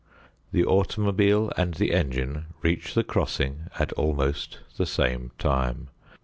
The automobile and the engine reach the crossing at almost the same time.